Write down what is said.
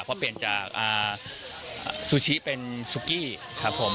เพราะเปลี่ยนจากซูชิเป็นซุกี้ครับผม